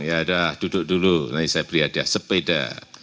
ya udah duduk dulu nanti saya beri hadiah sepeda